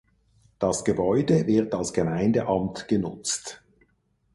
Das Gebäude wird als Gemeindeamt genutzt.